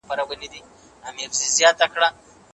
آیا کار کول تر مېلې ډېر اړین دي؟